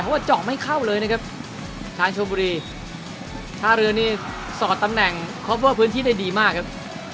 เพราะว่าเจาะไม่เข้าเลยนะครับทางชมบุรีท่าเรือนี่สอดตำแหน่งคอปเวอร์พื้นที่ได้ดีมากครับ